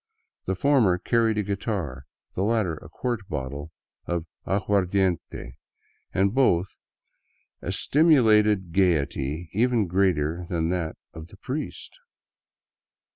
The former carried a guitar, the latter a quart bottle of aguardiente, and both a stimulated gaiety even greater than that of the priest.